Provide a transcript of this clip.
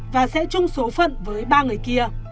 và sẽ chung số phận với ba người khác